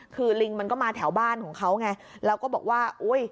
คือลิงมันก็มาแถวบ้านของเขาไงแล้วก็บอกว่าอุ้ย